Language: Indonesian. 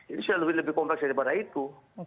ini sudah lebih kompleks daripada itu